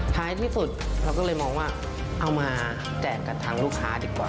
ท้ายที่สุดเราก็เลยมองว่าเอามาแจกกับทางลูกค้าดีกว่า